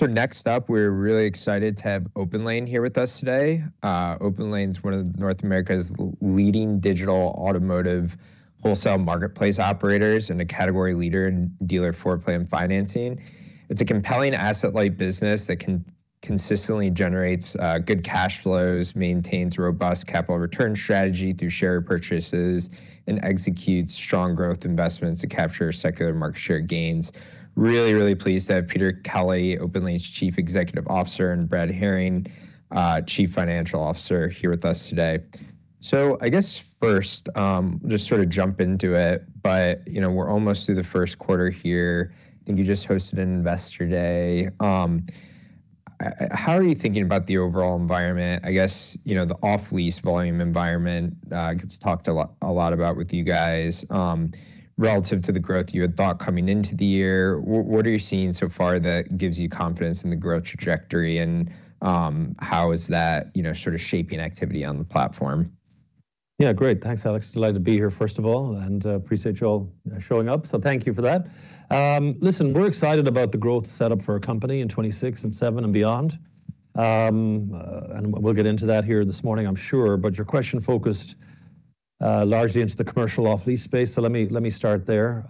Next up, we're really excited to have OPENLANE here with us today. OPENLANE's one of North America's leading digital automotive wholesale marketplace operators and a category leader in dealer floorplan financing. It's a compelling asset-light business that consistently generates good cash flows, maintains robust capital return strategy through share purchases, and executes strong growth investments to capture secular market share gains. Really pleased to have Peter Kelly, OPENLANE's Chief Executive Officer; and Brad Herring, Chief Financial Officer, here with us today. I guess first, just sort of jump into it, but you know, we're almost through the first quarter here. I think you just hosted an Investor Day. How are you thinking about the overall environment? I guess, you know, the off-lease volume environment gets talked a lot about with you guys, relative to the growth you had thought coming into the year. What are you seeing so far that gives you confidence in the growth trajectory and, how is that, you know, sort of shaping activity on the platform? Yeah. Great. Thanks, Alex. Delighted to be here first of all, and appreciate you all showing up, so thank you for that. Listen, we're excited about the growth set up for our company in 2026 and 2027 and beyond. We'll get into that here this morning, I'm sure. Your question focused largely into the commercial off-lease space, so let me start there.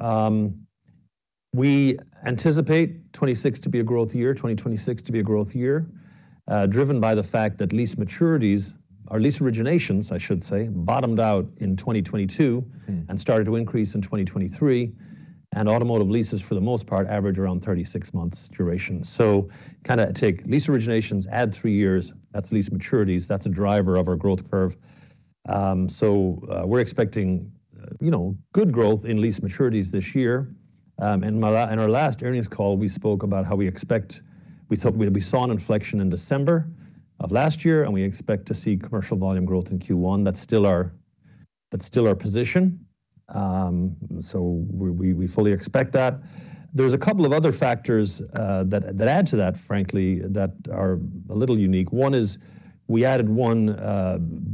We anticipate 2026 to be a growth year, driven by the fact that lease maturities or lease originations, I should say, bottomed out in 2022. Mm. Started to increase in 2023. Automotive leases, for the most part, average around 36 months duration. Kinda take lease originations, add three years, that's lease maturities. That's a driver of our growth curve. We're expecting, you know, good growth in lease maturities this year. In our last earnings call, we spoke about how we thought we saw an inflection in December of last year, and we expect to see commercial volume growth in Q1. That's still our position. We fully expect that. There's a couple of other factors that add to that, frankly, that are a little unique. One is we added one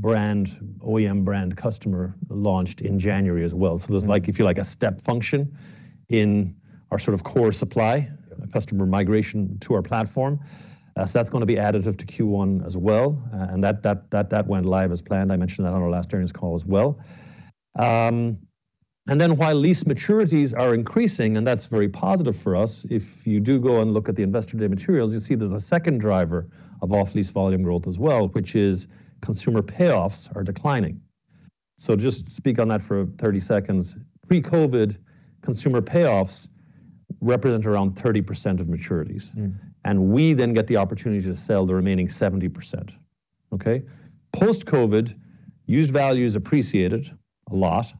brand, OEM brand customer launched in January as well. Mm-hmm. there's like, if you like, a step function in our sort of core supply- Yeah. Customer migration to our platform. That's gonna be additive to Q1 as well. That went live as planned. I mentioned that on our last earnings call as well. While lease maturities are increasing, and that's very positive for us, if you do go and look at the Investor Day materials, you'll see there's a second driver of off-lease volume growth as well, which is consumer payoffs are declining. Just speak on that for 30 seconds. Pre-COVID, consumer payoffs represent around 30% of maturities. Mm. We then get the opportunity to sell the remaining 70%. Post-COVID, used values appreciated a lot.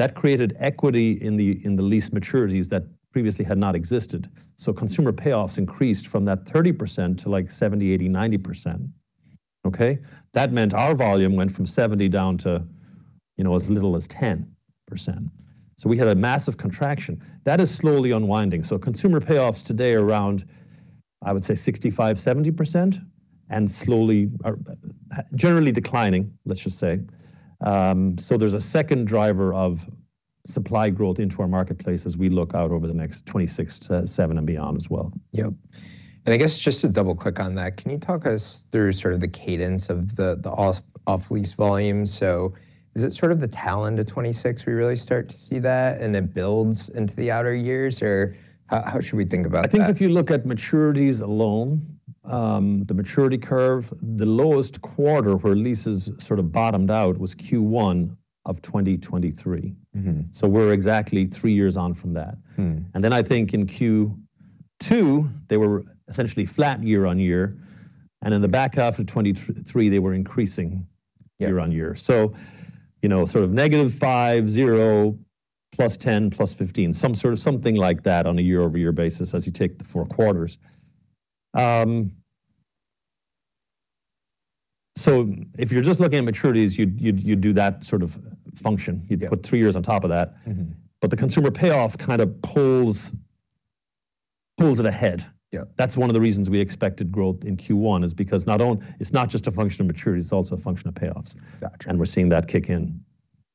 That created equity in the lease maturities that previously had not existed, so consumer payoffs increased from that 30% to, like, 70%, 80%, 90%. That meant our volume went from 70% down to as little as 10%. We had a massive contraction. That is slowly unwinding. Consumer payoffs today are around, I would say, 65%-70%, and slowly or generally declining, let's just say. There's a second driver of supply growth into our marketplace as we look out over the next 2026-2027 and beyond as well. Yep. I guess just to double-click on that, can you talk us through sort of the cadence of the off-lease volumes? So is it sort of the tail end of 2026 we really start to see that and it builds into the outer years? Or how should we think about that? I think if you look at maturities alone, the maturity curve, the lowest quarter where leases sort of bottomed out was Q1 of 2023. Mm-hmm. We're exactly three years on from that. Mm. I think in Q2, they were essentially flat year-over-year, and in the back half of 2023, they were increasing. Yeah. Year-over-year. You know, sort of -5%, 0%, +10%, +15%, some sort of something like that on a year-over-year basis as you take the four quarters. If you're just looking at maturities, you'd do that sort of function. Yeah. You'd put three years on top of that. Mm-hmm. The consumer payoff kind of pulls it ahead. Yeah. That's one of the reasons we expected growth in Q1, is because not only, it's not just a function of maturity, it's also a function of payoffs. Gotcha. We're seeing that kick in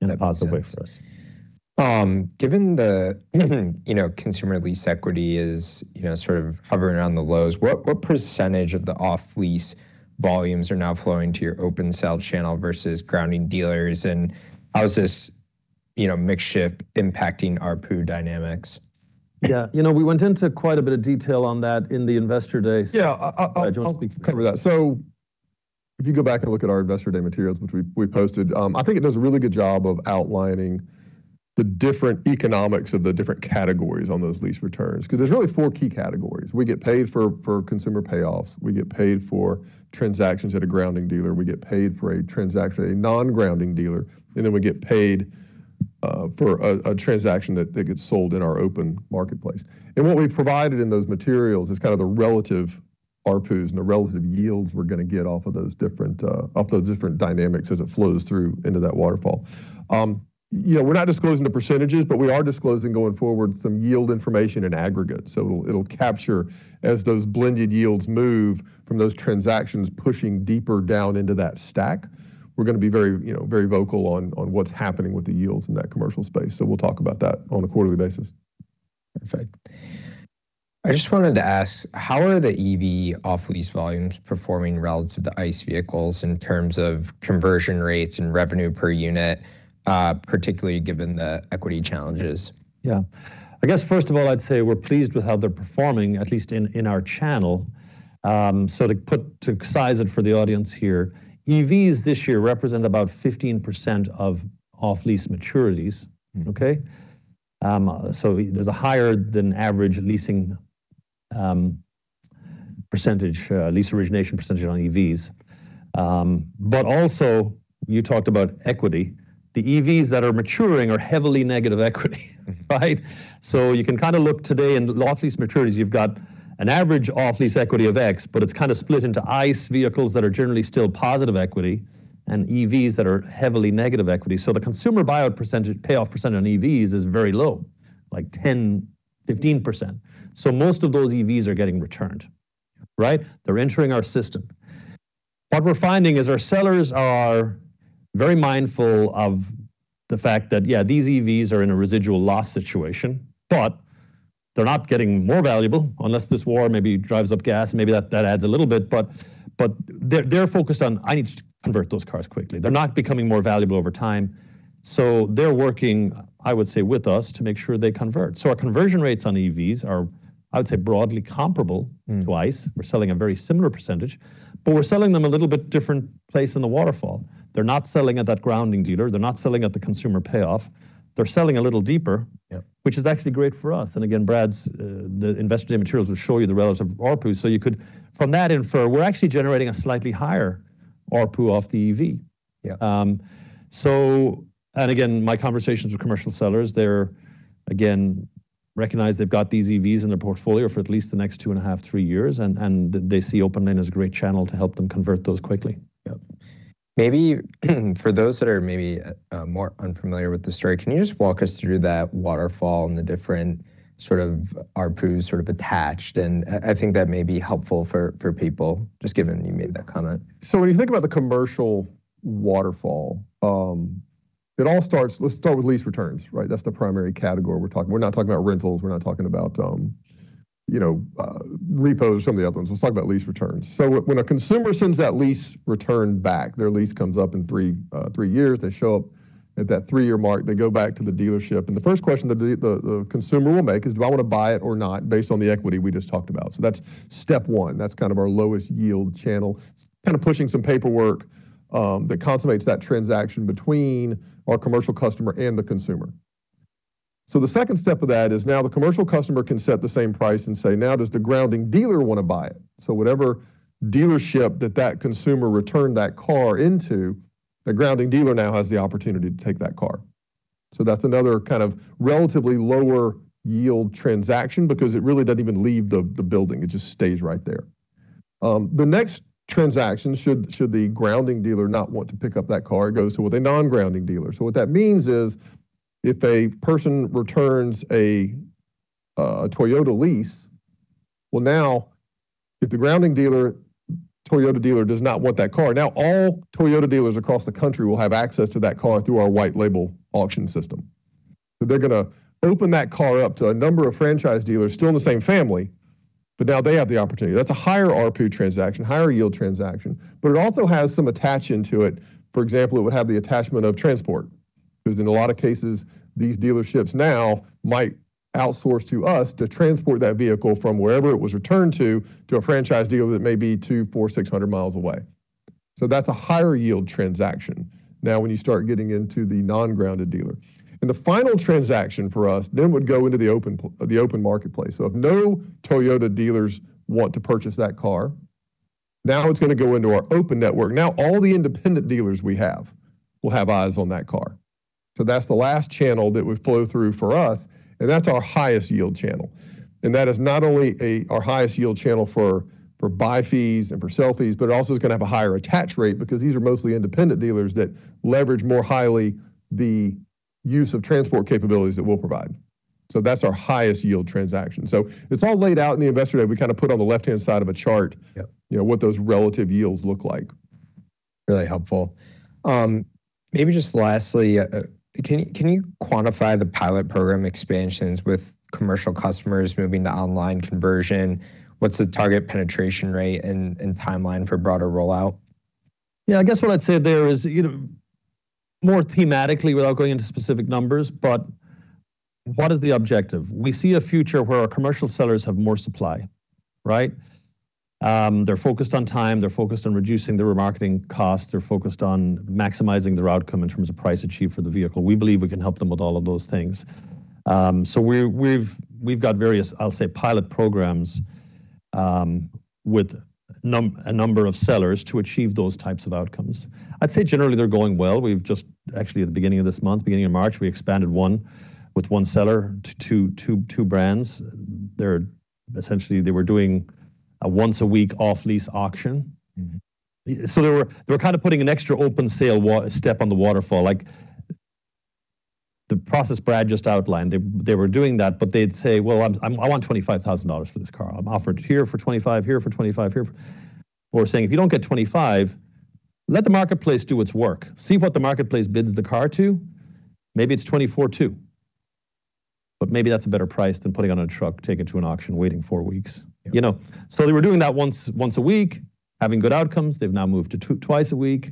in a positive way for us. Given the, you know, consumer lease equity is, you know, sort of hovering around the lows, what percentage of the off-lease volumes are now flowing to your open sale channel versus independent dealers? How is this, you know, mix shift impacting ARPU dynamics? Yeah. You know, we went into quite a bit of detail on that in the Investor Day. Yeah. I Do you wanna speak to that? I'll cover that. If you go back and look at our Investor Day materials, which we posted, I think it does a really good job of outlining the different economics of the different categories on those lease returns. 'Cause there's really four key categories. We get paid for consumer payoffs. We get paid for transactions at a grounding dealer. We get paid for a transaction at a non-grounding dealer. Then we get paid for a transaction that gets sold in our open marketplace. What we've provided in those materials is kind of the relative ARPUs and the relative yields we're gonna get off of those different dynamics as it flows through into that waterfall. You know, we're not disclosing the percentages, but we are disclosing going forward some yield information in aggregate. It'll capture as those blended yields move from those transactions pushing deeper down into that stack. We're gonna be very, you know, very vocal on what's happening with the yields in that commercial space. We'll talk about that on a quarterly basis. Perfect. I just wanted to ask, how are the EV off-lease volumes performing relative to the ICE vehicles in terms of conversion rates and revenue per unit, particularly given the equity challenges? Yeah. I guess first of all, I'd say we're pleased with how they're performing, at least in our channel. To size it for the audience here, EVs this year represent about 15% of off-lease maturities. Mm. Okay? There's a higher than average leasing percentage, lease origination percentage on EVs. Also you talked about equity. The EVs that are maturing are heavily negative equity, right? You can kinda look today in off-lease maturities. You've got an average off-lease equity of X, but it's kinda split into ICE vehicles that are generally still positive equity and EVs that are heavily negative equity. The consumer buyout percentage, payoff percentage on EVs is very low, like 10%, 15%. Most of those EVs are getting returned, right? They're entering our system. What we're finding is our sellers are very mindful of the fact that, yeah, these EVs are in a residual loss situation, but they're not getting more valuable unless this war maybe drives up gas, maybe that adds a little bit. They're focused on, "I need to convert those cars quickly." They're not becoming more valuable over time, so they're working, I would say, with us to make sure they convert. Our conversion rates on EVs are, I would say, broadly comparable. Mm. To ICE. We're selling a very similar percentage, but we're selling them a little bit different place in the waterfall. They're not selling at that grounding dealer. They're not selling at the consumer payoff. They're selling a little deeper. Yep. Which is actually great for us. Again, Brad's the Investor Day materials will show you the relative ARPU, so you could from that infer we're actually generating a slightly higher ARPU off the EV. Yeah. Again, my conversations with commercial sellers, they again recognize they've got these EVs in their portfolio for at least the next two and a half, three years, and they see OPENLANE as a great channel to help them convert those quickly. Yep. Maybe for those that are maybe more unfamiliar with the story, can you just walk us through that waterfall and the different sort of ARPUs sort of attached? I think that may be helpful for people, just given you made that comment. When you think about the commercial waterfall, it all starts, let's start with lease returns, right? That's the primary category we're talking. We're not talking about rentals. We're not talking about, you know, repos, some of the other ones. Let's talk about lease returns. When a consumer sends that lease return back, their lease comes up in three years, they show up at that three-year mark, they go back to the dealership, and the first question that the consumer will make is, "Do I wanna buy it or not?" based on the equity we just talked about. That's step one. That's kind of our lowest yield channel, kind of pushing some paperwork, that consummates that transaction between our commercial customer and the consumer. The second step of that is now the commercial customer can set the same price and say, "Now does the grounding dealer wanna buy it?" Whatever dealership that consumer returned that car into, the grounding dealer now has the opportunity to take that car. That's another kind of relatively lower yield transaction because it really doesn't even leave the building. It just stays right there. The next transaction, should the grounding dealer not want to pick up that car, it goes to a non-grounding dealer. What that means is if a person returns a Toyota lease, well now if the grounding dealer, Toyota dealer does not want that car, now all Toyota dealers across the country will have access to that car through our white label auction system. They're gonna open that car up to a number of franchise dealers still in the same family, but now they have the opportunity. That's a higher ARPU transaction, higher yield transaction, but it also has some attachment to it. For example, it would have the attachment of transport, because in a lot of cases, these dealerships now might outsource to us to transport that vehicle from wherever it was returned to a franchise dealer that may be two, four, 600 mi away. That's a higher yield transaction now when you start getting into the non-franchised dealer. The final transaction for us then would go into the open marketplace. If no Toyota dealers want to purchase that car, now it's gonna go into our open network. Now, all the independent dealers we have will have eyes on that car. That's the last channel that would flow through for us, and that's our highest yield channel. That is not only our highest yield channel for buy fees and for sell fees, but it also is gonna have a higher attach rate because these are mostly independent dealers that leverage more highly the use of transport capabilities that we'll provide. That's our highest yield transaction. It's all laid out in the Investor Day. We kind of put on the left-hand side of a chart. Yep. You know, what those relative yields look like. Really helpful. Maybe just lastly, can you quantify the pilot program expansions with commercial customers moving to online conversion? What's the target penetration rate and timeline for broader rollout? Yeah, I guess what I'd say there is, you know, more thematically without going into specific numbers, but what is the objective? We see a future where our commercial sellers have more supply, right? They're focused on time. They're focused on reducing their remarketing costs. They're focused on maximizing their outcome in terms of price achieved for the vehicle. We believe we can help them with all of those things. So we've got various, I'll say, pilot programs with a number of sellers to achieve those types of outcomes. I'd say generally they're going well. We've just actually at the beginning of this month, beginning of March, expanded one with one seller to two brands. They're essentially they were doing a once a week off-lease auction. Mm-hmm. They were kind of putting an extra open sale step on the waterfall. Like the process Brad just outlined, they were doing that, but they'd say, "Well, I want $25,000 for this car. I'm offered here for $25,000, here for $25,000, here for $25,000." We're saying, "If you don't get $25,000, let the marketplace do its work. See what the marketplace bids the car to." Maybe it's $24,200, but maybe that's a better price than putting it on a truck, take it to an auction, waiting four weeks. Yeah. You know. They were doing that once a week, having good outcomes. They've now moved to twice a week.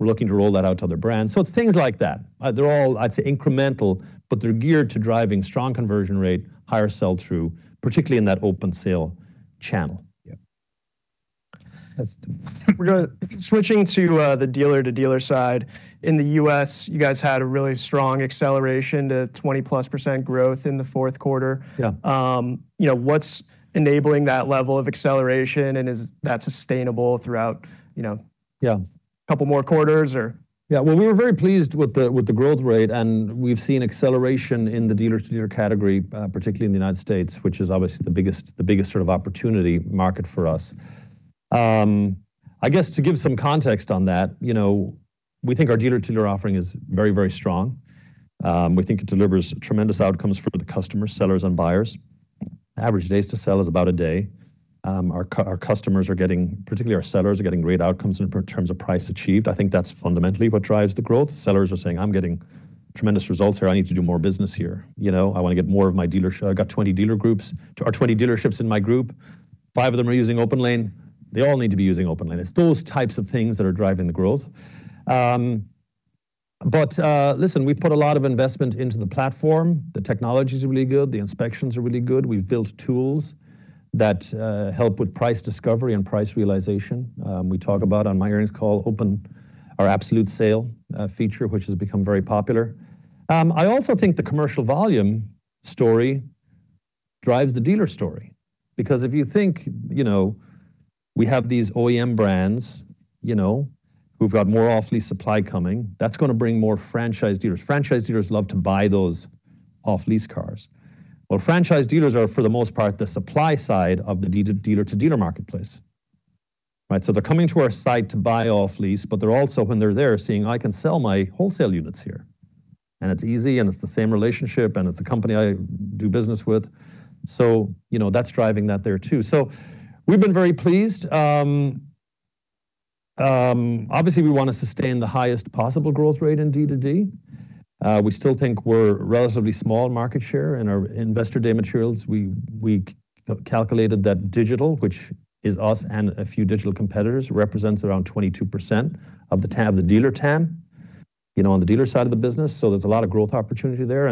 We're looking to roll that out to other brands. It's things like that. They're all, I'd say, incremental, but they're geared to driving strong conversion rate, higher sell-through, particularly in that Absolute Sale channel. Yeah. That's. Switching to the dealer-to-dealer side. In the U.S., you guys had a really strong acceleration to 20%+ growth in the fourth quarter. Yeah. You know, what's enabling that level of acceleration, and is that sustainable throughout, you know? Yeah. Couple more quarters or? Yeah. Well, we were very pleased with the growth rate, and we've seen acceleration in the dealer-to-dealer category, particularly in the United States, which is obviously the biggest sort of opportunity market for us. I guess to give some context on that, you know, we think our dealer-to-dealer offering is very, very strong. We think it delivers tremendous outcomes for the customers, sellers and buyers. Average days to sell is about a day. Our customers are getting, particularly our sellers, are getting great outcomes in terms of price achieved. I think that's fundamentally what drives the growth. Sellers are saying, "I'm getting tremendous results here. I need to do more business here." You know, "I wanna get more of my dealership. I got 20 dealer groups, or 20 dealerships in my group. Five of them are using OPENLANE. They all need to be using OPENLANE." It's those types of things that are driving the growth. Listen, we've put a lot of investment into the platform. The technology's really good. The inspections are really good. We've built tools that help with price discovery and price realization. We talk about on my earnings call our Absolute Sale feature, which has become very popular. I also think the commercial volume story drives the dealer story because if you think, you know, we have these OEM brands, you know, who've got more off-lease supply coming, that's gonna bring more franchise dealers. Franchise dealers love to buy those off-lease cars. Franchise dealers are, for the most part, the supply side of the dealer-to-dealer marketplace. Right? They're coming to our site to buy off lease, but they're also, when they're there, seeing, "I can sell my wholesale units here, and it's easy, and it's the same relationship, and it's a company I do business with." You know, that's driving that there too. We've been very pleased. Obviously, we wanna sustain the highest possible growth rate in D2D. We still think we're relatively small market share. In our Investor Day materials, we calculated that digital, which is us and a few digital competitors, represents around 22% of the dealer TAM, you know, on the dealer side of the business, so there's a lot of growth opportunity there.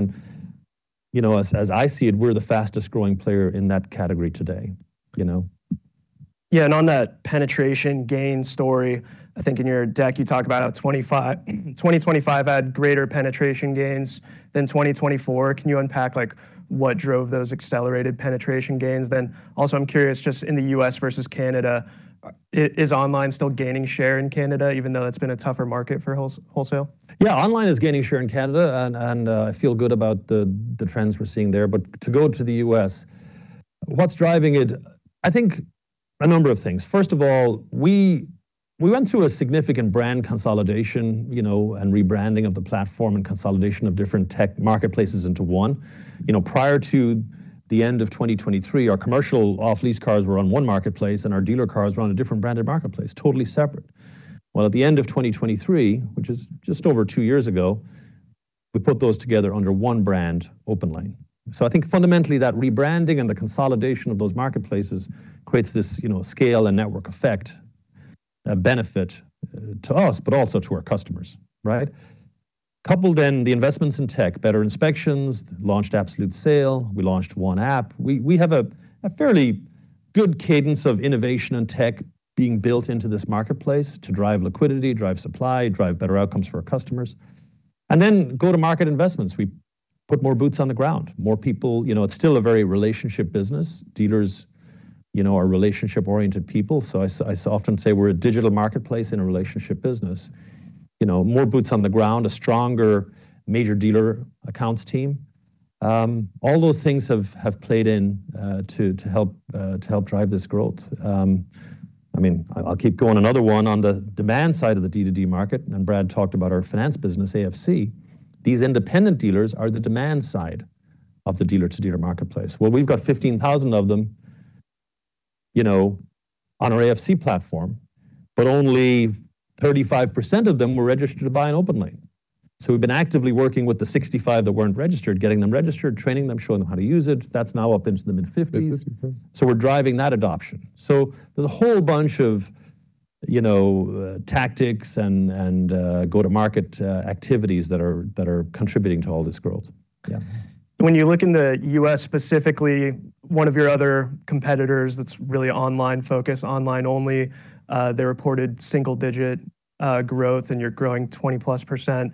You know, as I see it, we're the fastest-growing player in that category today, you know. Yeah. On that penetration gain story, I think in your deck, you talk about how 2025 had greater penetration gains than 2024. Can you unpack, like, what drove those accelerated penetration gains then? Also, I'm curious, just in the U.S. versus Canada, is online still gaining share in Canada even though it's been a tougher market for wholesale? Yeah. Online is gaining share in Canada and I feel good about the trends we're seeing there. To go to the U.S., what's driving it, I think a number of things. First of all, we went through a significant brand consolidation, you know, and rebranding of the platform and consolidation of different tech marketplaces into one. You know, prior to the end of 2023, our commercial off-lease cars were on one marketplace, and our dealer cars were on a different branded marketplace, totally separate. Well, at the end of 2023, which is just over two years ago, we put those together under one brand, OPENLANE. I think fundamentally that rebranding and the consolidation of those marketplaces creates this, you know, scale and network effect, a benefit to us, but also to our customers, right? Couple then the investments in tech, better inspections, launched Absolute Sale, we launched One App. We have a fairly good cadence of innovation and tech being built into this marketplace to drive liquidity, drive supply, drive better outcomes for our customers. Go-to-market investments. We put more boots on the ground, more people. You know, it's still a very relationship business. Dealers, you know, are relationship-oriented people, so I often say we're a digital marketplace in a relationship business. You know, more boots on the ground, a stronger major dealer accounts team. All those things have played into to help drive this growth. I mean, I'll keep going another one. On the demand side of the D2D market, and Brad talked about our finance business, AFC, these independent dealers are the demand side of the dealer-to-dealer marketplace. Well, we've got 15,000 of them, you know, on our AFC platform, but only 35% of them were registered to buy on OPENLANE. We've been actively working with the 65 that weren't registered, getting them registered, training them, showing them how to use it. That's now up into the mid-50s. Mid-50s, yeah. We're driving that adoption. There's a whole bunch of, you know, tactics and go-to-market activities that are contributing to all this growth. Yeah. When you look in the U.S. specifically, one of your other competitors that's really online-focused, online only, they reported single-digit% growth, and you're growing 20%+.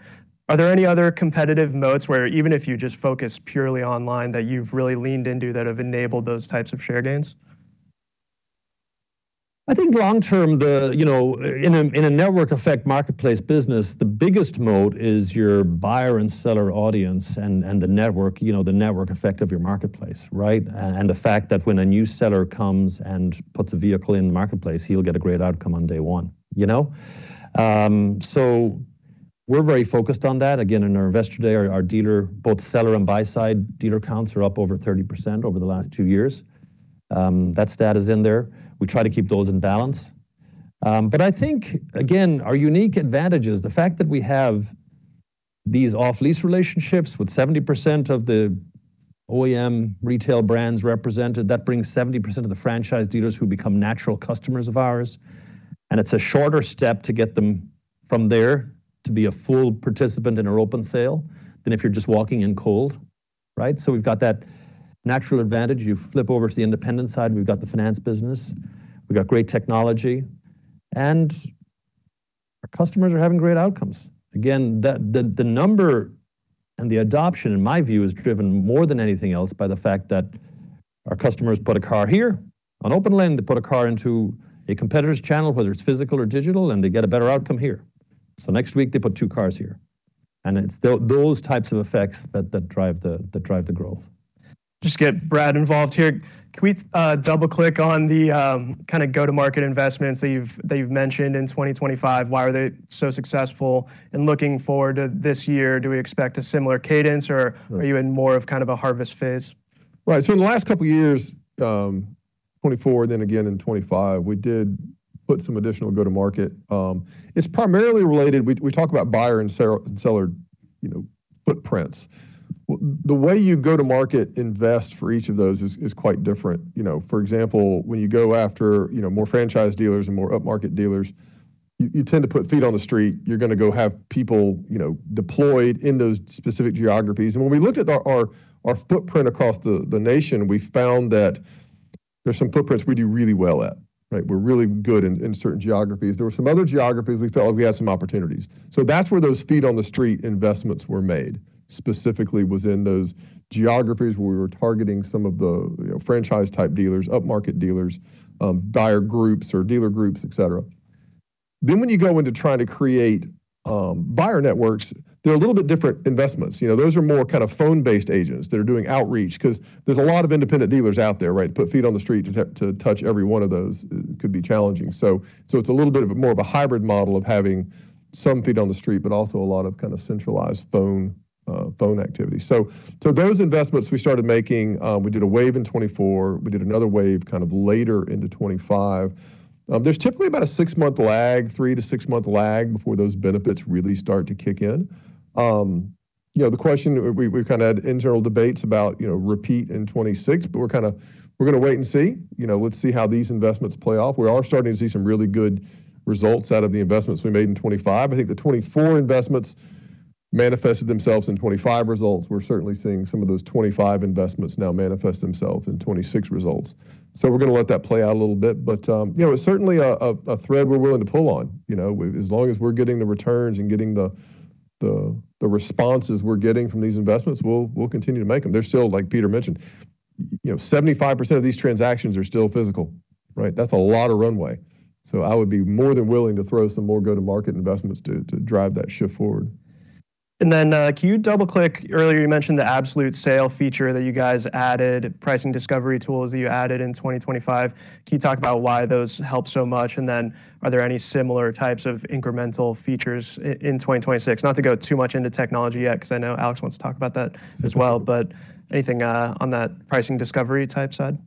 Are there any other competitive moats where even if you just focus purely online, that you've really leaned into that have enabled those types of share gains? I think long term, you know, in a network effect marketplace business, the biggest moat is your buyer and seller audience and the network, you know, the network effect of your marketplace, right? The fact that when a new seller comes and puts a vehicle in the marketplace, he'll get a great outcome on day one, you know. We're very focused on that. Again, in our Investor Day, our dealer, both seller and buy-side dealer counts are up over 30% over the last two years. That stat is in there. We try to keep those in balance. I think, again, our unique advantage is the fact that we have these off-lease relationships with 70% of the OEM retail brands represented. That brings 70% of the franchise dealers who become natural customers of ours, and it's a shorter step to get them from there to be a full participant in our open sale than if you're just walking in cold, right? We've got that natural advantage. You flip over to the independent side, we've got the finance business, we've got great technology, and our customers are having great outcomes. Again, the number and the adoption, in my view, is driven more than anything else by the fact that our customers put a car here on OPENLANE, they put a car into a competitor's channel, whether it's physical or digital, and they get a better outcome here. Next week they put two cars here. It's those types of effects that drive the growth. Just get Brad involved here. Can we double-click on the kind of go-to-market investments that you've mentioned in 2025? Why are they so successful? Looking forward to this year, do we expect a similar cadence or? Right. Are you in more of kind of a harvest phase? Right. In the last couple of years, 2024 then again in 2025, we did put some additional go-to-market. It's primarily related. We talk about buyer and seller, you know, footprints. The way you go-to-market invest for each of those is quite different. You know, for example, when you go after, you know, more franchise dealers and more upmarket dealers, you tend to put feet on the street. You're gonna go have people, you know, deployed in those specific geographies. When we looked at our footprint across the nation, we found that there's some footprints we do really well at, right? We're really good in certain geographies. There were some other geographies we felt like we had some opportunities. That's where those feet on the street investments were made. Specifically was in those geographies where we were targeting some of the, you know, franchise type dealers, upmarket dealers, buyer groups or dealer groups, et cetera. When you go into trying to create buyer networks, they're a little bit different investments. You know, those are more kind of phone-based agents that are doing outreach because there's a lot of independent dealers out there, right? To put feet on the street to touch every one of those could be challenging. So it's a little bit more of a hybrid model of having some feet on the street, but also a lot of kind of centralized phone activity. So those investments we started making, we did a wave in 2024. We did another wave kind of later into 2025. There's typically about a six-month lag, three- to six-month lag before those benefits really start to kick in. You know, we've kind of had internal debates about, you know, repeat in 2026, but we're gonna wait and see. You know, let's see how these investments play out. We are starting to see some really good results out of the investments we made in 2025. I think the 2024 investments manifested themselves in 2025 results. We're certainly seeing some of those 2025 investments now manifest themselves in 2026 results. We're gonna let that play out a little bit. You know, it's certainly a thread we're willing to pull on. You know, as long as we're getting the returns and getting the responses we're getting from these investments, we'll continue to make them. There's still, like Peter mentioned, you know, 75% of these transactions are still physical, right? That's a lot of runway. I would be more than willing to throw some more go-to-market investments to drive that shift forward. Can you double-click? Earlier you mentioned the Absolute Sale feature that you guys added, pricing discovery tools that you added in 2025. Can you talk about why those helped so much? Are there any similar types of incremental features in 2026? Not to go too much into technology yet, 'cause I know Alex wants to talk about that as well, but anything on that pricing discovery type side?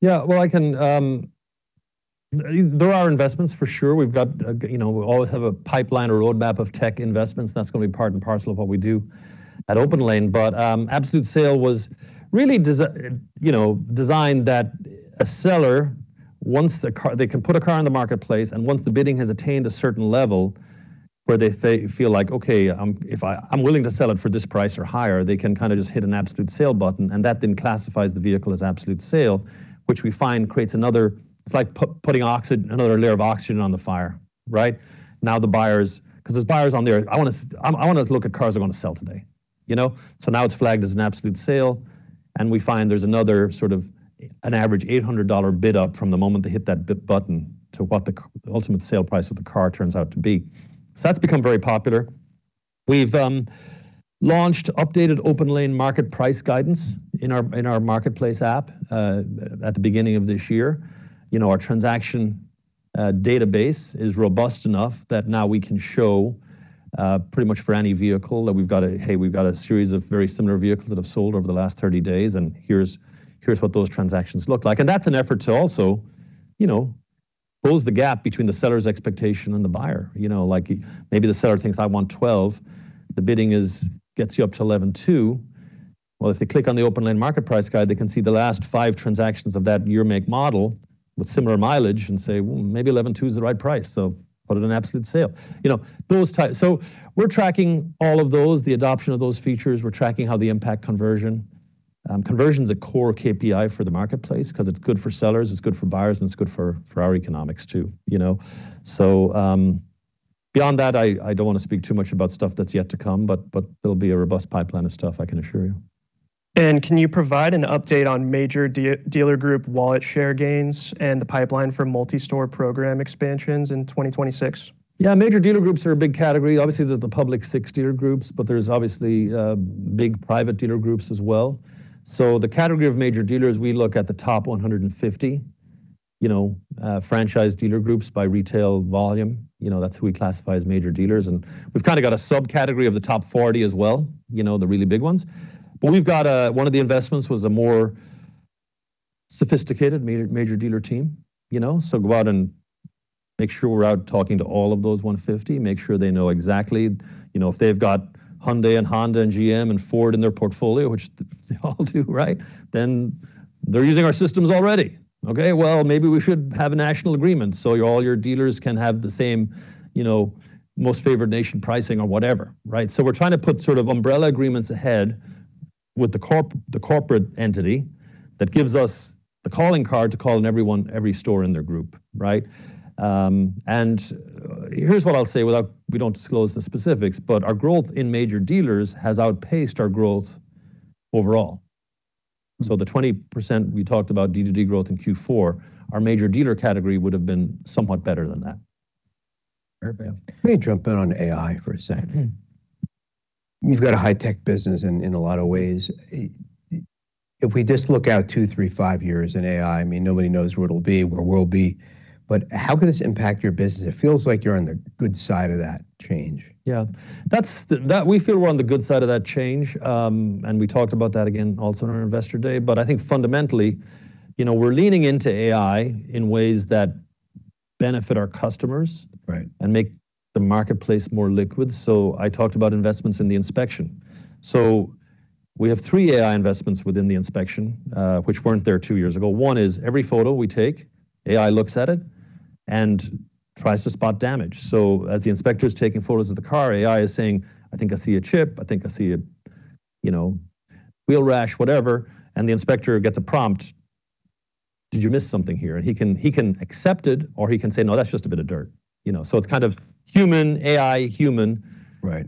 Yeah. Well, I can. There are investments for sure. We've got, you know, we always have a pipeline or roadmap of tech investments. That's gonna be part and parcel of what we do at OPENLANE. Absolute Sale was really designed that a seller, they can put a car in the marketplace, and once the bidding has attained a certain level where they feel like, "Okay, I'm willing to sell it for this price or higher," they can kinda just hit an Absolute Sale button, and that then classifies the vehicle as Absolute Sale, which we find creates another. It's like putting oxygen, another layer of oxygen on the fire, right? Now the buyers. 'Cause there's buyers on there, "I wanna, I wanna just look at cars I'm gonna sell today," you know? Now it's flagged as an Absolute Sale, and we find there's another sort of an average $800 bid up from the moment they hit that buy button to what the ultimate sale price of the car turns out to be. That's become very popular. We've launched updated OPENLANE Market Price Guidance in our marketplace app at the beginning of this year. You know, our transaction database is robust enough that now we can show pretty much for any vehicle that we've got a, "Hey, we've got a series of very similar vehicles that have sold over the last 30 days, and here's what those transactions look like." That's an effort to also, you know, close the gap between the seller's expectation and the buyer. You know, like, maybe the seller thinks, "I want $12,000." The bidding gets you up to $11,200. Well, if they click on the OPENLANE Market Price Guide, they can see the last five transactions of that year, make, model with similar mileage and say, "Well, maybe $11,200 is the right price, so put it in Absolute Sale." You know, we're tracking all of those, the adoption of those features. We're tracking how they impact conversion. Conversion's a core KPI for the marketplace 'cause it's good for sellers, it's good for buyers, and it's good for our economics too, you know? Beyond that, I don't wanna speak too much about stuff that's yet to come, but there'll be a robust pipeline of stuff, I can assure you. Can you provide an update on major dealer group wallet share gains and the pipeline for multi-store program expansions in 2026? Yeah. Major dealer groups are a big category. Obviously, there's the public six dealer groups, but there's obviously, big private dealer groups as well. The category of major dealers, we look at the top 150, you know, franchise dealer groups by retail volume. You know, that's who we classify as major dealers. We've kind of got a subcategory of the top 40 as well, you know, the really big ones. We've got, one of the investments was a more sophisticated major dealer team, you know. Go out and make sure we're out talking to all of those 150. Make sure they know exactly, you know, if they've got Hyundai and Honda and GM and Ford in their portfolio, which they all do, right, then they're using our systems already. Well, maybe we should have a national agreement so all your dealers can have the same, you know, most favored nation pricing or whatever, right? We're trying to put sort of umbrella agreements ahead with the corporate entity that gives us the calling card to call on everyone, every store in their group, right? Here's what I'll say. We don't disclose the specifics, but our growth in major dealers has outpaced our growth overall. The 20% we talked about D2D growth in Q4, our major dealer category would have been somewhat better than that. Perfect. Let me jump in on AI for a second. Mm-hmm. You've got a high-tech business in a lot of ways. If we just look out two, three, five years in AI, I mean, nobody knows where it'll be, where we'll be, but how could this impact your business? It feels like you're on the good side of that change. Yeah. That we feel we're on the good side of that change. We talked about that again also on our Investor Day. I think fundamentally, you know, we're leaning into AI in ways that benefit our customers. Right. Make the marketplace more liquid. I talked about investments in the inspection. We have three AI investments within the inspection, which weren't there two years ago. One is every photo we take, AI looks at it and tries to spot damage. As the inspector's taking photos of the car, AI is saying, "I think I see a chip. I think I see a, you know, wheel rash," whatever, and the inspector gets a prompt, "Did you miss something here?" He can accept it or he can say, "No, that's just a bit of dirt." You know, it's kind of human, AI, human. Right.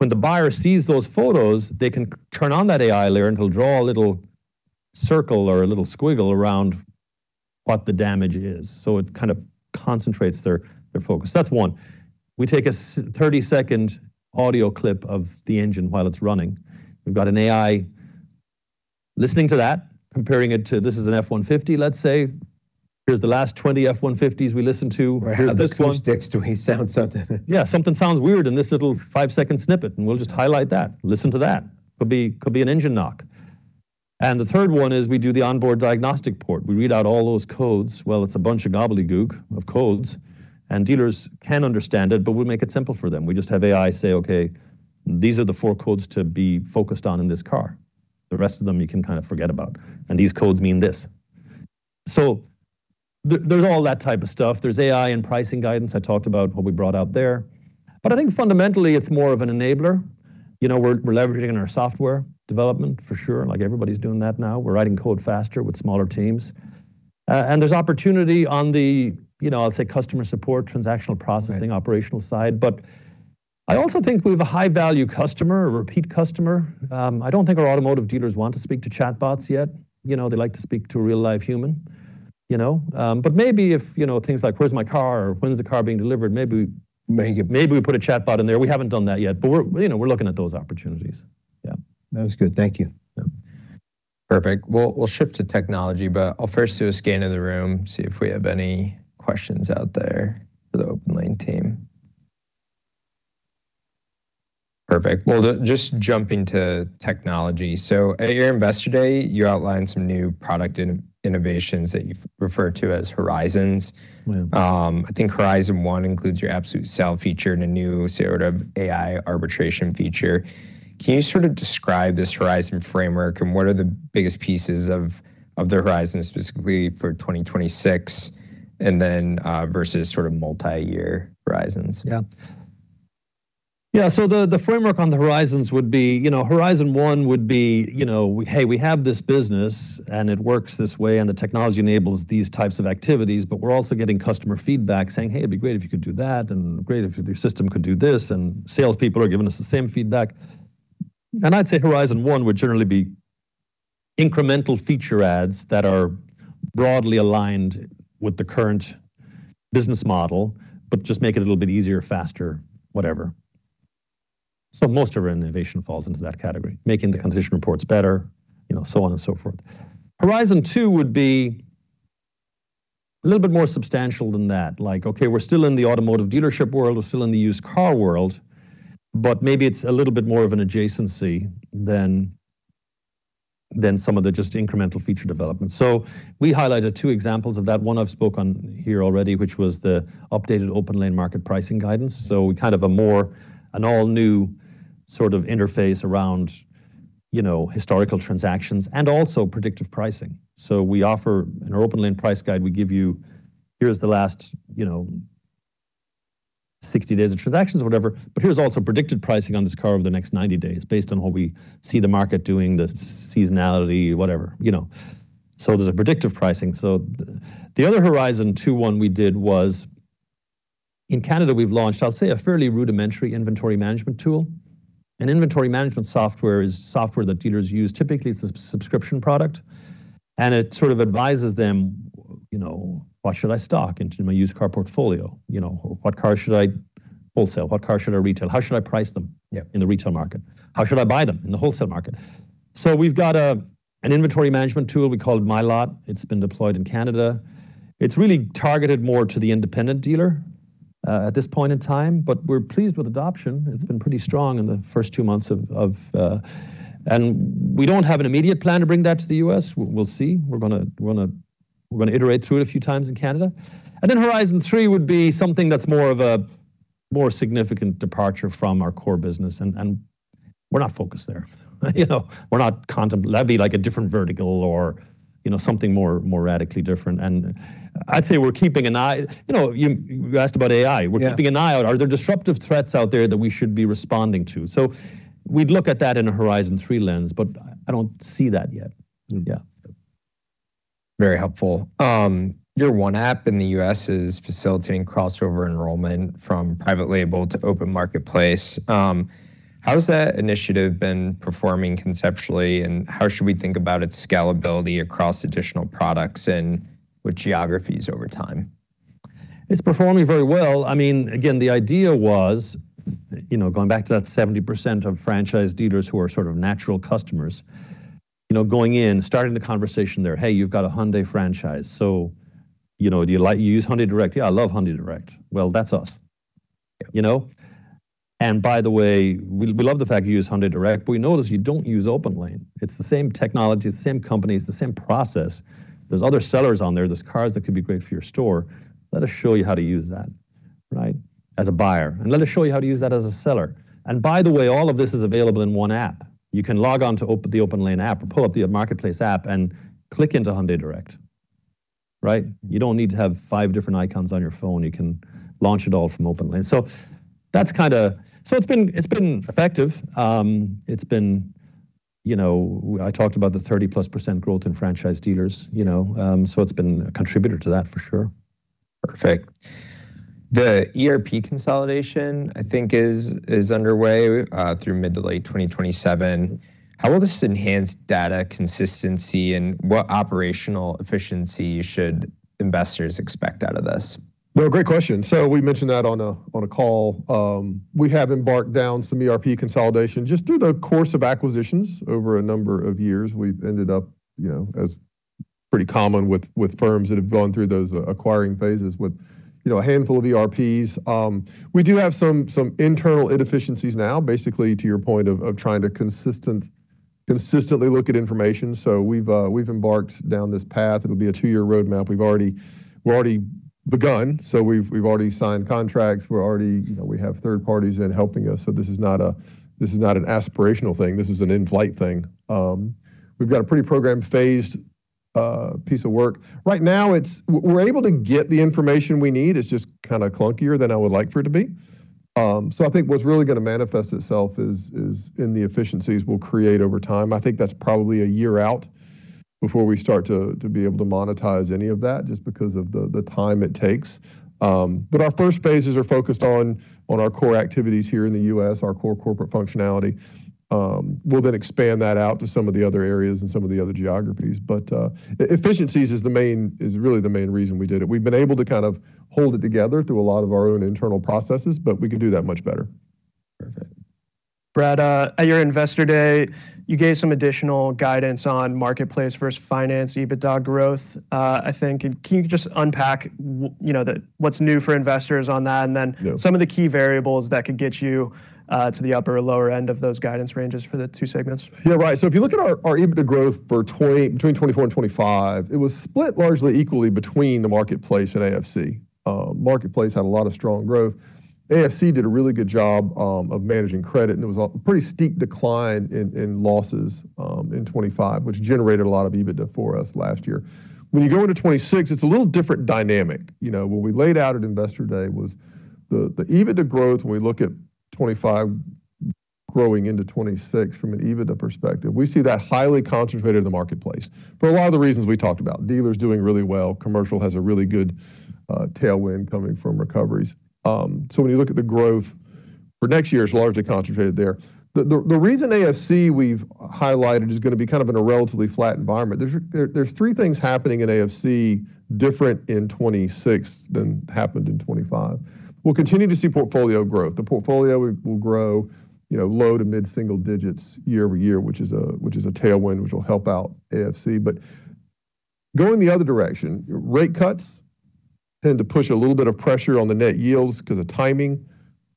When the buyer sees those photos, they can turn on that AI layer, and he'll draw a little circle or a little squiggle around what the damage is. It kind of concentrates their focus. That's one. We take a 30-second audio clip of the engine while it's running. We've got an AI listening to that, comparing it to this is an F-150, let's say. Here's the last 20 F-150s we listened to. Here's this one. How the coax sticks to his sound something. Yeah. Something sounds weird in this little five-second snippet, and we'll just highlight that. Listen to that. Could be an engine knock. The third one is we do the onboard diagnostic port. We read out all those codes. Well, it's a bunch of gobbledygook of codes, and dealers can understand it, but we make it simple for them. We just have AI say, "Okay, these are the four codes to be focused on in this car. The rest of them you can kind of forget about. And these codes mean this." So there's all that type of stuff. There's AI and pricing guidance. I talked about what we brought out there. I think fundamentally it's more of an enabler. You know, we're leveraging our software development for sure, like everybody's doing that now. We're writing code faster with smaller teams. There's opportunity on the, you know, I'll say customer support, transactional processing. Right. Operational side. I also think we have a high value customer, a repeat customer. I don't think our automotive dealers want to speak to chatbots yet. You know, they like to speak to a real live human, you know. Maybe if, you know, things like, "Where's my car?" Or, "When's the car being delivered? Make it. Maybe we put a chatbot in there. We haven't done that yet, but we're, you know, we're looking at those opportunities. Yeah. That was good. Thank you. Yeah. Perfect. We'll shift to technology, but I'll first do a scan of the room, see if we have any questions out there for the OPENLANE team. Perfect. Well, just jumping to technology. At your Investor Day, you outlined some new product innovations that you've referred to as Horizons. Mm-hmm. I think Horizon One includes your Absolute Sale feature and a new sort of AI arbitration feature. Can you sort of describe this Horizon framework and what are the biggest pieces of the Horizons specifically for 2026 and then versus sort of multi-year Horizons? Yeah. Yeah. The framework on the Horizons would be, you know, Horizon One would be, you know, 'Hey, we have this business and it works this way, and the technology enables these types of activities, but we're also getting customer feedback saying, 'Hey, it'd be great if you could do that, and great if your system could do this.' Salespeople are giving us the same feedback.' I'd say Horizon One would generally be incremental feature adds that are broadly aligned with the current business model, but just make it a little bit easier, faster, whatever. Most of our innovation falls into that category, making the condition reports better, you know, so on and so forth. Horizon Two would be a little bit more substantial than that. Like, okay, we're still in the automotive dealership world, we're still in the used car world, but maybe it's a little bit more of an adjacency than some of the just incremental feature developments. We highlighted two examples of that. One I've spoken here already, which was the updated OPENLANE Market Pricing guidance. Kind of a more an all new sort of interface around, you know, historical transactions and also predictive pricing. We offer, in our OPENLANE price guide, we give you, here's the last, you know, 60 days of transactions, whatever, but here's also predicted pricing on this car over the next 90 days based on what we see the market doing, the seasonality, whatever, you know. The other Horizon Two one we did was in Canada. We've launched, I'll say, a fairly rudimentary inventory management tool. Inventory management software is software that dealers use. Typically, it's a subscription product, and it sort of advises them, you know, "What should I stock into my used car portfolio?" You know, "What car should I wholesale? What car should I retail? How should I price them? Yeah. in the retail market? How should I buy them in the wholesale market? We've got an inventory management tool. We call it My Lot. It's been deployed in Canada. It's really targeted more to the independent dealer at this point in time, but we're pleased with adoption. It's been pretty strong in the first two months. We don't have an immediate plan to bring that to the U.S. We'll see. We're gonna iterate through it a few times in Canada. Horizon Three would be something that's more of a significant departure from our core business, and we're not focused there. You know, that'd be like a different vertical or, you know, something more radically different. I'd say we're keeping an eye. You know, you asked about AI. Yeah. We're keeping an eye out. Are there disruptive threats out there that we should be responding to? We'd look at that in a Horizon Three lens, but I don't see that yet. Yeah. Very helpful. Your One App in the U.S. is facilitating crossover enrollment from private label to open marketplace. How has that initiative been performing conceptually, and how should we think about its scalability across additional products and with geographies over time? It's performing very well. I mean, again, the idea was, you know, going back to that 70% of franchise dealers who are sort of natural customers, you know, going in, starting the conversation there, "Hey, you've got a Hyundai franchise, so, you know, do you use Hyundai Direct?" "Yeah, I love Hyundai Direct." "Well, that's us." You know? "And by the way, we love the fact you use Hyundai Direct, but we notice you don't use OPENLANE. It's the same technology, the same company, it's the same process. There's other sellers on there. There's cars that could be great for your store. Let us show you how to use that," right, "as a buyer, and let us show you how to use that as a seller. And by the way, all of this is available in One App. You can log on to OPENLANE, the OPENLANE app or pull up the Marketplace app and click into Hyundai Direct." Right? "You don't need to have five different icons on your phone. You can launch it all from OPENLANE." That's kinda. It's been effective. You know, I talked about the 30%+ growth in franchise dealers, you know, so it's been a contributor to that for sure. Perfect. The ERP consolidation, I think, is underway through mid- to late 2027. How will this enhance data consistency, and what operational efficiency should investors expect out of this? Well, great question. We mentioned that on a call. We have embarked on some ERP consolidation. Just through the course of acquisitions over a number of years, we've ended up, you know, as is pretty common with firms that have gone through those acquiring phases with, you know, a handful of ERPs. We do have some internal inefficiencies now, basically to your point of trying to consistently look at information. We've embarked on this path. It'll be a two-year roadmap. We've already begun, so we've already signed contracts. We're already, you know, we have third parties helping us, so this is not an aspirational thing. This is an in-flight thing. We've got a pretty program phased piece of work. We're able to get the information we need. It's just kinda clunkier than I would like for it to be. So I think what's really gonna manifest itself is in the efficiencies we'll create over time. I think that's probably a year out before we start to be able to monetize any of that just because of the time it takes. Our first phases are focused on our core activities here in the U.S., our core corporate functionality. We'll then expand that out to some of the other areas and some of the other geographies. Efficiencies is really the main reason we did it. We've been able to kind of hold it together through a lot of our own internal processes, but we can do that much better. Perfect. Brad, at your Investor Day, you gave some additional guidance on marketplace versus finance EBITDA growth, I think. Can you just unpack, you know, what's new for investors on that, and then. Yeah. Some of the key variables that could get you to the upper or lower end of those guidance ranges for the two segments? Yeah, right. If you look at our EBITDA growth between 2024 and 2025, it was split largely equally between the marketplace and AFC. Marketplace had a lot of strong growth. AFC did a really good job of managing credit, and it was a pretty steep decline in losses in 2025, which generated a lot of EBITDA for us last year. When you go into 2026, it's a little different dynamic. You know, what we laid out at Investor Day was the EBITDA growth when we look at 2025 growing into 2026 from an EBITDA perspective, we see that highly concentrated in the marketplace for a lot of the reasons we talked about. Dealers doing really well. Commercial has a really good tailwind coming from recoveries. When you look at the growth for next year is largely concentrated there. The reason AFC we've highlighted is gonna be kind of in a relatively flat environment. There's three things happening in AFC different in 2026 than happened in 2025. We'll continue to see portfolio growth. The portfolio will grow, you know, low- to mid-single digits year-over-year, which is a tailwind, which will help out AFC. Going the other direction, rate cuts tend to push a little bit of pressure on the net yields 'cause of timing.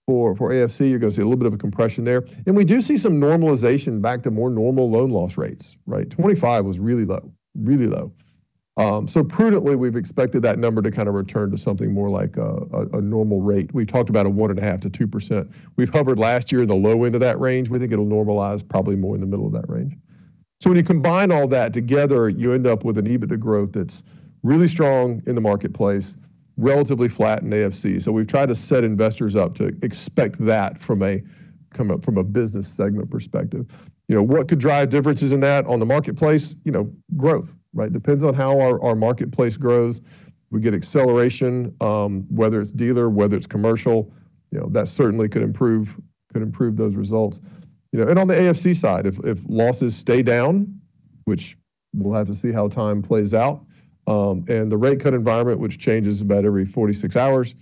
For AFC, you're gonna see a little bit of a compression there. We do see some normalization back to more normal loan loss rates, right? 2025 was really low, really low. Prudently, we've expected that number to kind of return to something more like a normal rate. We talked about 1.5%-2%. We've hovered last year in the low end of that range. We think it'll normalize probably more in the middle of that range. When you combine all that together, you end up with an EBITDA growth that's really strong in the marketplace, relatively flat in AFC. We've tried to set investors up to expect that from a business segment perspective. You know, what could drive differences in that on the marketplace? You know, growth, right? Depends on how our marketplace grows. We get acceleration, whether it's dealer, whether it's commercial, you know, that certainly could improve those results. You know, and on the AFC side, if losses stay down, which we'll have to see how time plays out, and the rate cut environment, which changes about every 46 hours,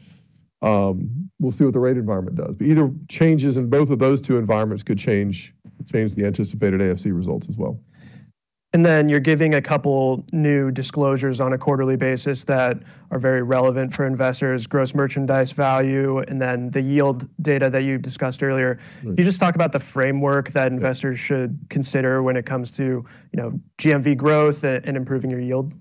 we'll see what the rate environment does. Either changes in both of those two environments could change the anticipated AFC results as well. You're giving a couple new disclosures on a quarterly basis that are very relevant for investors, Gross Merchandise Value, and then the yield data that you discussed earlier. Right. Can you just talk about the framework that investors should consider when it comes to, you know, GMV growth and improving your yield?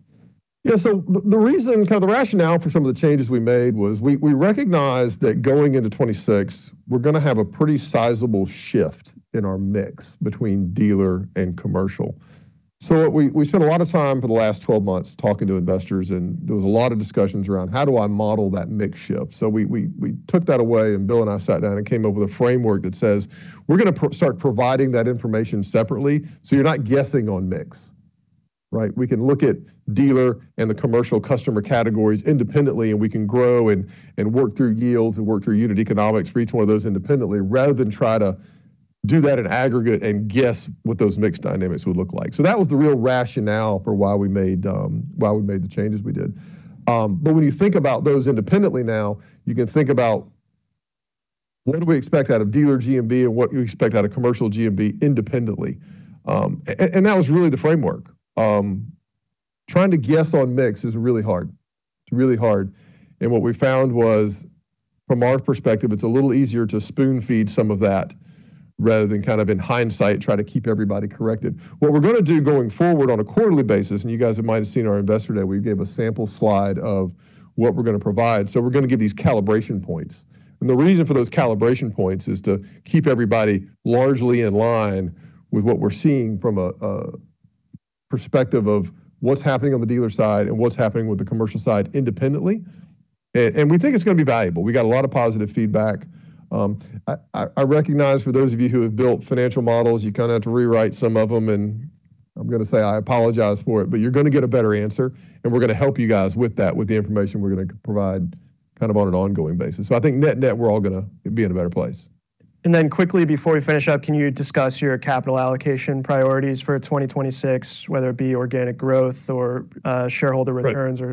The reason, kind of the rationale for some of the changes we made was we recognized that going into 2026, we're gonna have a pretty sizable shift in our mix between dealer and commercial. We spent a lot of time for the last 12 months talking to investors, and there was a lot of discussions around, "How do I model that mix shift?" We took that away, and Bill and I sat down and came up with a framework that says, "We're gonna proactively start providing that information separately, so you're not guessing on mix." Right? We can look at dealer and the commercial customer categories independently, and we can grow and work through yields and work through unit economics for each one of those independently, rather than try to do that in aggregate and guess what those mix dynamics would look like. That was the real rationale for why we made the changes we did. When you think about those independently now, you can think about what do we expect out of dealer GMV and what do we expect out of commercial GMV independently? That was really the framework. Trying to guess on mix is really hard. It's really hard. What we found was, from our perspective, it's a little easier to spoon feed some of that rather than kind of in hindsight try to keep everybody corrected. What we're gonna do going forward on a quarterly basis, and you guys might have seen our Investor Day, we gave a sample slide of what we're gonna provide. We're gonna give these calibration points, and the reason for those calibration points is to keep everybody largely in line with what we're seeing from a perspective of what's happening on the dealer side and what's happening with the commercial side independently. We think it's gonna be valuable. We got a lot of positive feedback. I recognize for those of you who have built financial models, you kind of have to rewrite some of them, and I'm gonna say I apologize for it, but you're gonna get a better answer, and we're gonna help you guys with that, with the information we're gonna provide kind of on an ongoing basis. I think net-net, we're all gonna be in a better place. Quickly before we finish up, can you discuss your capital allocation priorities for 2026, whether it be organic growth or shareholder returns or-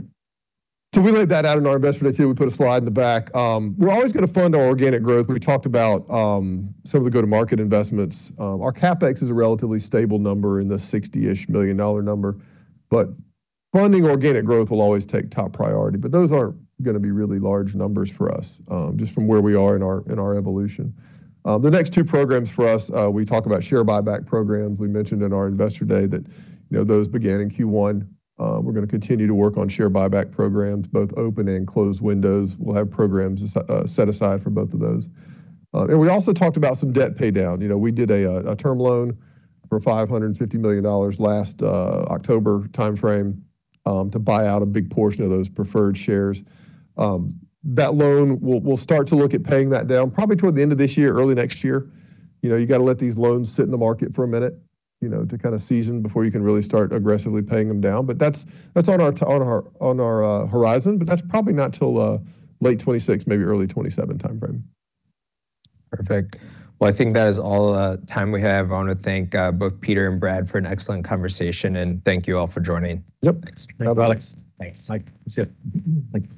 Right. We laid that out in our Investor Day too. We put a slide in the back. We're always gonna fund our organic growth. We talked about some of the go-to-market investments. Our CapEx is a relatively stable number in the $60-ish million number. Funding organic growth will always take top priority. Those aren't gonna be really large numbers for us, just from where we are in our evolution. The next two programs for us, we talk about share buyback programs. We mentioned in our Investor Day that, you know, those began in Q1. We're gonna continue to work on share buyback programs, both open and closed windows. We'll have programs set aside for both of those. We also talked about some debt pay down. You know, we did a term loan for $550 million last October timeframe to buy out a big portion of those preferred shares. That loan, we'll start to look at paying that down probably toward the end of this year, early next year. You know, you gotta let these loans sit in the market for a minute, you know, to kind of season before you can really start aggressively paying them down. That's on our horizon, but that's probably not till late 2026, maybe early 2027 timeframe. Perfect. Well, I think that is all the time we have. I want to thank both Peter and Brad for an excellent conversation, and thank you all for joining. Yep. Thanks. No problem. Thanks. Mike. See ya. Thank you.